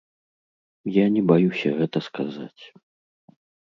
Я не баюся гэта сказаць.